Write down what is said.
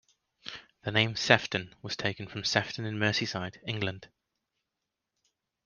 The name Sefton was taken from Sefton in Merseyside, England.